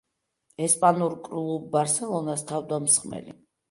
ესპანურ კლუბ ბარსელონას თავდამსხმელი.